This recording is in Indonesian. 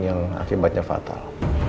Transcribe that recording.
yang akibatnya fatal